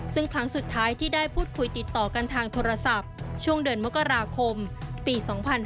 ซึ่งครั้งสุดท้ายที่ได้พูดคุยติดต่อกันทางโทรศัพท์ช่วงเดือนมกราคมปี๒๕๕๙